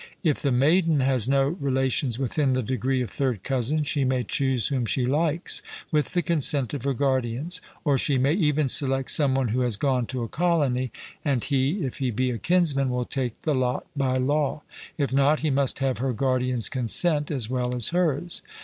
If the maiden has no relations within the degree of third cousin, she may choose whom she likes, with the consent of her guardians; or she may even select some one who has gone to a colony, and he, if he be a kinsman, will take the lot by law; if not, he must have her guardians' consent, as well as hers.